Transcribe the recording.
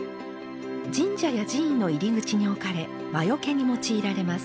神社や寺院の入り口に置かれ魔よけに用いられます。